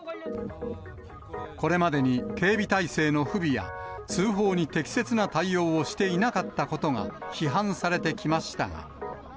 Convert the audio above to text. これまでに警備態勢の不備や、通報に適切な対応をしていなかったことが批判されてきましたが。